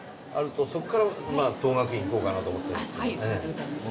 そこから等覚院行こうかなと思ってるんですけどね。